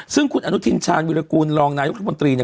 ซึ่งคุณอนุทินชาญวิรากูลรองนายกรัฐมนตรีเนี่ย